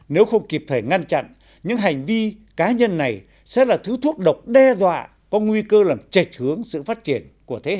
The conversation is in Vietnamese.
nếu không kịp thời ngăn chặn những hành vi cá nhân này sẽ là thứ thuốc độc đe dọa có nguy cơ làm trệch hướng sự phát triển của thế hệ trẻ